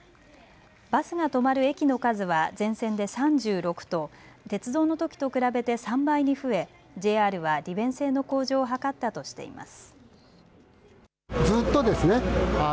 バスが止まる駅の数は全線で３６と鉄道のときと比べて３倍に増えＪＲは利便性の向上を図ったとしています。